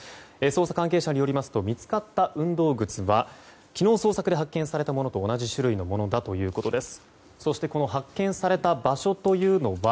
捜査関係者によりますと見つかった運動靴は昨日、捜索で発見されたものと同じ種類のものだということです。